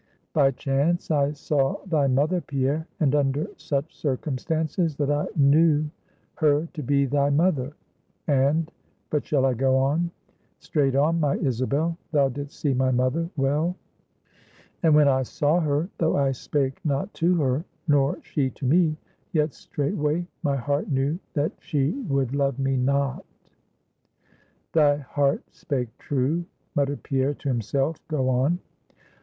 "By chance I saw thy mother, Pierre, and under such circumstances that I knew her to be thy mother; and but shall I go on?" "Straight on, my Isabel; thou didst see my mother well?" "And when I saw her, though I spake not to her, nor she to me, yet straightway my heart knew that she would love me not." "Thy heart spake true," muttered Pierre to himself; "go on."